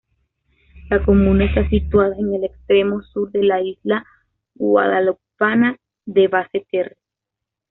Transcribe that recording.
La comuna está situada en el extremo sur de la isla guadalupana de Basse-Terre.